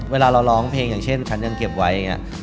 เวลาเราร้องเพลงอย่างเช่นฉันยังเก็บไว้อย่างนี้